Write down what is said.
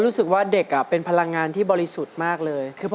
คณะกรรมการเชิญเลยครับพี่อยากให้ก่อนก็ได้จ้ะนู้นไปก่อนเพื่อนเลย